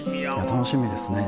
楽しみですね